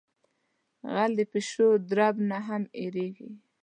غل د پیشو درب نہ ھم یریگی.